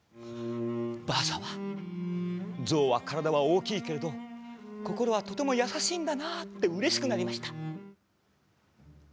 バーサは、象は体は大きいけれど心はとても優しいんだなってうれしくなりました。